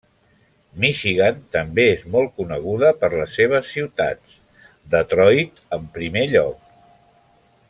Michigan també és molt coneguda per les seves ciutats, Detroit en primer lloc.